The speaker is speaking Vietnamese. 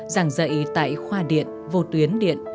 giảng dạy tại khoa điện vô tuyến điện